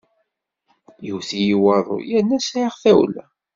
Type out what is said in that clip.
Iwet-iyi waḍu yerna sɛiɣ tawla.